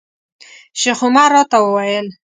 شیخ عمر راته وویل.